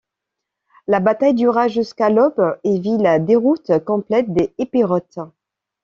La bataille dura jusqu’à l’aube et vit la déroute complète des Épirotes.